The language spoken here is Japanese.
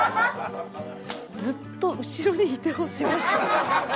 ずっと後ろにいてほしい。